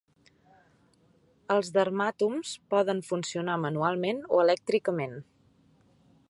Els dermàtoms poden funcionar manualment o elèctricament.